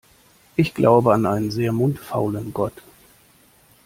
Ich glaube an einen sehr mundfaulen Gott.